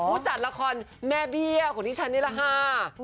คู่จัดละครแม่เบี้ยของดิฉันนี้ละหา